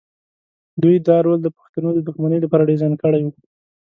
دوی دا رول د پښتنو د دښمنۍ لپاره ډیزاین کړی و.